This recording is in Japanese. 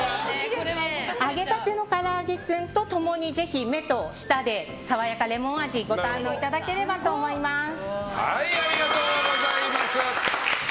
揚げたてのからあげクンと共にぜひ目と舌で、さわやかレモン味ありがとうございます。